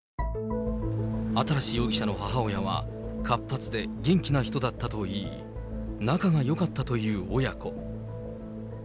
新容疑者の母親は、活発で元気な人だったといい、仲がよかったという親子。